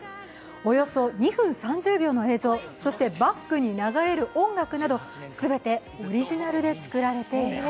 およそ２分３０秒の映像、そしてバックに流れる音楽など、全てオリジナルで作られています。